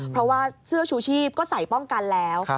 เพราะว่าเสื้อชูชีพก็ใส่ป้องกันแล้ว